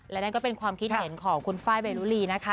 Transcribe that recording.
และนั่นก็เป็นความคิดเห็นของคุณไฟล์เบลุลีนะคะ